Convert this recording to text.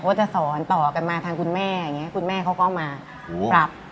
เขาจะสอนต่อกันมาทางคุณแม่เนี่ยคุณแม่เขาก็มาปรับ